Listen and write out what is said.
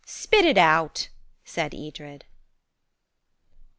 "Spit it out," said Edred.